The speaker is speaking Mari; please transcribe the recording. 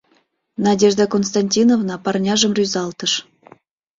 — Надежда Константиновна парняжым рӱзалтыш.